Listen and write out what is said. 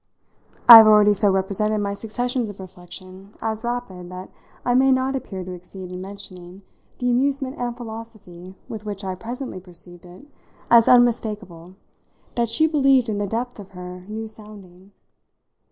I have already so represented my successions of reflection as rapid that I may not appear to exceed in mentioning the amusement and philosophy with which I presently perceived it as unmistakable that she believed in the depth of her new sounding.